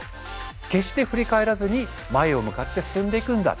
決して振り返らずに前を向かって進んでいくんだ。